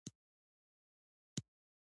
جواهرات د افغانستان د طبیعي پدیدو یو رنګ دی.